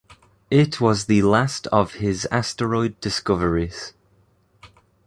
It was the last of his asteroid discoveries.